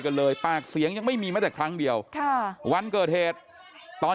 เลยปากเสียงยังไม่มีแม้แต่ครั้งเดียวค่ะวันเกิดเหตุตอน